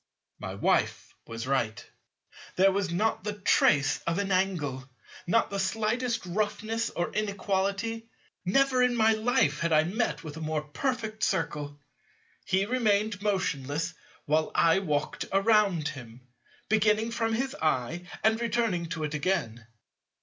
My Wife was right. There was not the trace of an angle, not the slightest roughness or inequality: never in my life had I met with a more perfect Circle. He remained motionless while I walked around him, beginning from his eye and returning to it again.